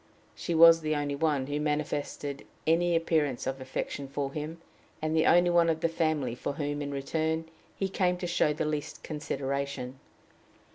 She was the only one who manifested any appearance of affection for him, and the only one of the family for whom, in return, he came to show the least consideration.